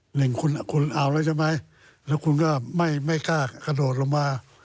หนึ่งคุณคุณเอาแล้วใช่ไหมแล้วคุณก็ไม่ไม่กล้ากระโดดลงมา